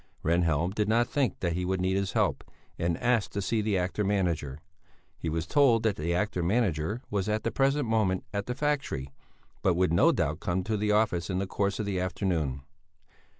Rehnhjelm did not think that he would need his help, and asked to see the actor manager; he was told that the actor manager was at the present moment at the factory, but would no doubt come to the office in the course of the afternoon.